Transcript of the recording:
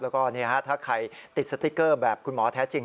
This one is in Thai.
แล้วก็นี่นะครับถ้าใครติดสติกเกอร์แบบคุณหมอแท้จริง